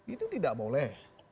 itu tidak boleh